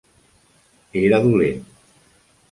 Era dolent.